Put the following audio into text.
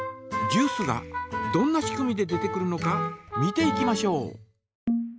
ジュースがどんな仕組みで出てくるのか見ていきましょう。